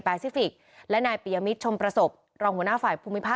ซิฟิกและนายปียมิตรชมประสบรองหัวหน้าฝ่ายภูมิภาค